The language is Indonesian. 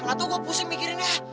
lalu gue pusing mikirin ya